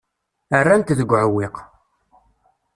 Rran-t deg uɛewwiq.